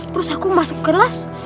terus aku masuk kelas